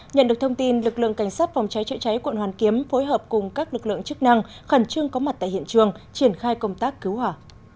nhận được thông tin lực lượng cảnh sát phòng cháy chữa cháy quận hoàn kiếm phối hợp cùng các lực lượng chức năng khẩn trương có mặt tại hiện trường triển khai công tác cứu hỏa